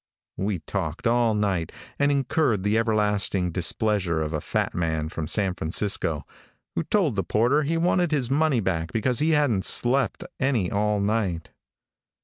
We talked all night, and incurred the everlasting displeasure of a fat man from San Francisco, who told the porter he wanted his money back because he hadn't slept any all night.